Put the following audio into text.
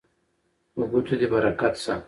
په ګوتو دې برکت شه